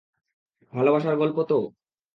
ভালবাসার গল্প, তো?